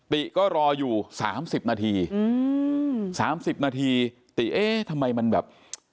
ติก็รออยู่สามสิบนาทีสามสิบนาทีติเอ๊ะทำไมมันแบบ